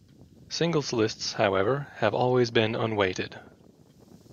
Singles lists, however, have always been unweighted.